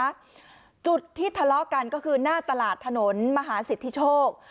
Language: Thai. ทางถนนนะคะจุดที่ทะเลาะกันก็คือหน้าตลาดถนนมหาศิษย์ที่โชค